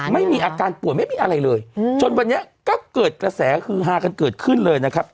ไม่มีอาการป่วยไม่มีอะไรเลยจนวันนี้ก็เกิดกระแสฮือฮากันเกิดขึ้นเลยนะครับ